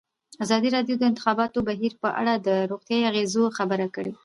ازادي راډیو د د انتخاباتو بهیر په اړه د روغتیایي اغېزو خبره کړې.